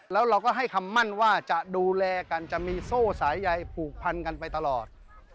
แล้วเราก็ให้คำมั่นว่าจะดูแลกันจะมีโซ่สายใยผูกพันกันไปตลอด